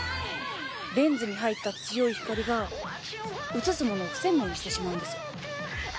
レンズに入った強い光が写すものを不鮮明にしてしまうんです。